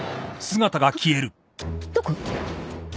どこ！？